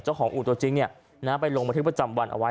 เจ้าของอู่ตัวจริงเนี่ยน้ำไปลงมาที่ประจำวันเอาไว้